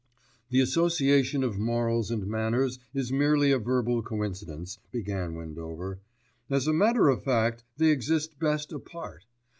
"The association of morals and manners is merely a verbal coincidence," began Windover. "As a matter of fact they exist best apart.